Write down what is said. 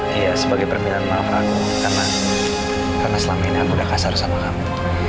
iya sebagai permintaan maaf aku karena selama ini aku udah kasar sama kamu